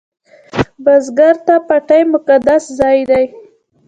بزګر ته پټی مقدس ځای دی